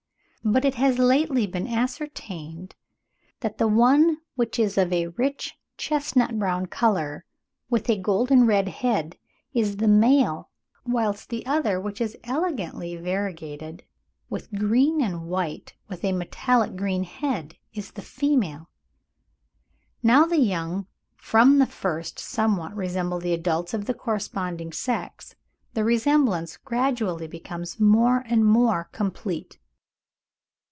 But it has lately been ascertained that the one which is of a rich chestnut brown colour with a golden red head, is the male, whilst the other which is elegantly variegated with green and white with a metallic green head is the female. Now the young from the first somewhat resemble the adults of the corresponding sex, the resemblance gradually becoming more and more complete.